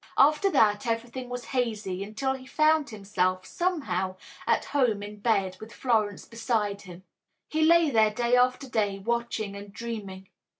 After that everything was hazy until he found himself, somehow, at home in bed, with Florence beside him. He lay there day after day, watching and dreaming.